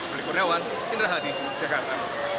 berikutnya indra hadi jakarta